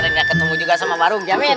akhirnya ketemu juga dengan barung jamin